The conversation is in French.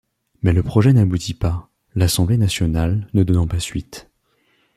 Mais le projet n'aboutit pas, l'Assemblée nationale ne donnant pas suite.